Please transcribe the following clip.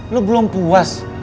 lo belum puas